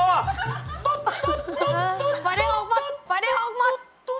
ฝ่ายแดงออกมา